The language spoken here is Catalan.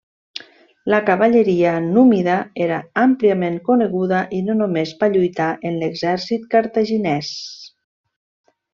La cavalleria númida era àmpliament coneguda i no només va lluitar en l'exèrcit cartaginès.